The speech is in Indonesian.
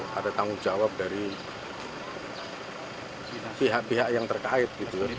ada tanggung jawab dari pihak pihak yang terkait